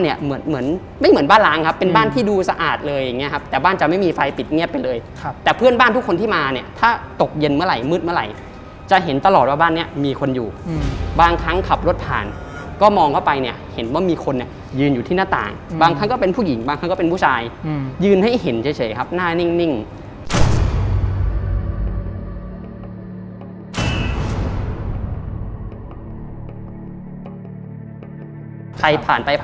อย่างเงี้ยครับแต่บ้านจะไม่มีไฟปิดเงียบไปเลยครับแต่เพื่อนบ้านทุกคนที่มาเนี่ยถ้าตกเย็นเมื่อไหร่มืดเมื่อไหร่จะเห็นตลอดว่าบ้านเนี้ยมีคนอยู่อืมบางครั้งขับรถผ่านก็มองเข้าไปเนี้ยเห็นว่ามีคนเนี้ยยืนอยู่ที่หน้าต่างอืมบางครั้งก็เป็นผู้หญิงบางครั้งก็เป็นผู้ชายอืมยืนให้เห็นเฉยเฉยครับหน้านิ่งนิ่